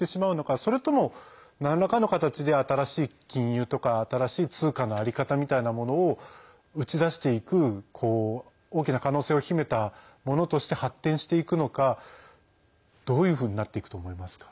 それとも、なんらかの形で新しい金融とか新しい通貨の在り方みたいなものを打ち出していく大きな可能性を秘めたものとして発展していくのかどういうふうになっていくと思いますか？